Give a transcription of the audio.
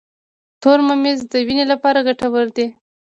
تور ممیز د وینې لپاره ګټور دي.